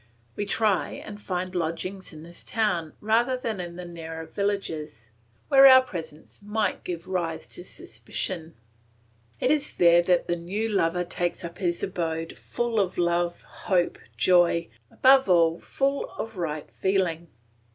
We try and find lodgings in this town, rather than in the nearer villages, where our presence might give rise to suspicion. It is there that the new lover takes up his abode, full of love, hope, joy, above all full of right feeling.